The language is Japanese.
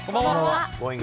Ｇｏｉｎｇ！